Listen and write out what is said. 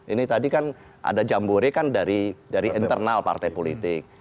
ini tadi kan ada jambore kan dari internal partai politik